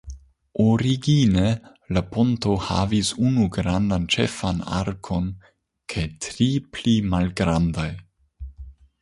Origine la ponto havis unu grandan ĉefan arkon kaj tri pli malgrandajn.